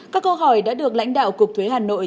các câu hỏi đã được lãnh đạo cục thuế hà nội